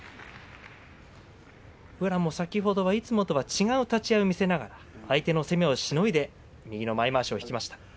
宇良も先ほどと違う立ち合いを見せながら相手の攻めをしのいで右のまわしを引きました。